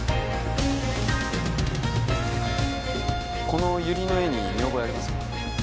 このユリの絵に見覚えはありますか？